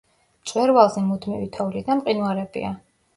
მწვერვალზე მუდმივი თოვლი და მყინვარებია.